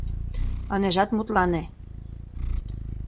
Ынежат мутлане...